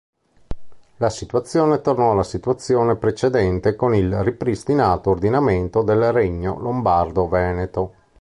La situazione tornò alla situazione precedente con il ripristinato ordinamento del Regno Lombardo-Veneto.